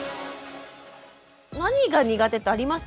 何が苦手ってあります？